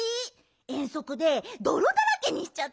えんそくでどろだらけにしちゃったんだ。